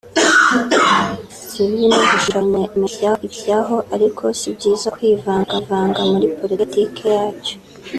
sibibi no gushaka kumenya ibyaho ariko si byiza kwivanga muri politiki yacyo